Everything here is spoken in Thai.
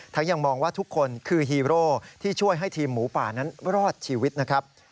ยังมองว่าทุกคนคือฮีโร่ที่ช่วยให้ทีมหมูป่านั้นรอดชีวิตนะครับ